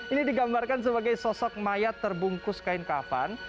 ini digambarkan sebagai sosok mayat terbungkus kain kafan